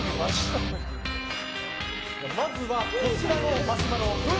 まずはこちらのマシュマロ。